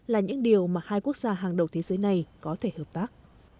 là những điều mà hai quốc gia hàng đầu thế giới này có thể hợp tác